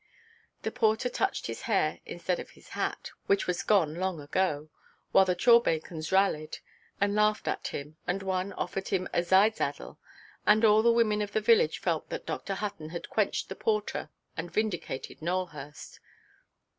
The porter touched his hair instead of his hat (which was gone long ago), while the "chawbacons" rallied, and laughed at him, and one offered him a "zide–zaddle," and all the women of the village felt that Dr. Hutton had quenched the porter, and vindicated Nowelhurst.